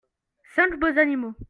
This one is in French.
cinq beaux animaux.